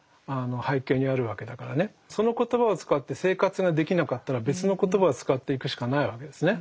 その言葉を使って生活ができなかったら別の言葉を使っていくしかないわけですね。